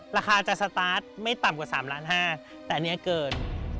ราคาจะสตาร์ทไม่ต่ำกว่า๓ล้าน๕แต่อันนี้เกิน